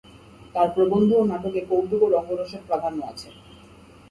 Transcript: তাঁর প্রবন্ধ ও নাটকে কৌতুক ও রঙ্গরসের প্রাধান্য আছে।